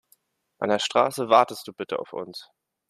An der Straße wartest du bitte auf uns.